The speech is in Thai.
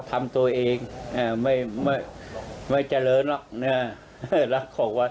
ทำตัวเองอ่าไม่เมื่อไม่เจริญหรอกนี่แล้วของวาดศ์